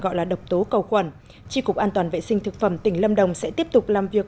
gọi là độc tố cầu quẩn tri cục an toàn vệ sinh thực phẩm tỉnh lâm đồng sẽ tiếp tục làm việc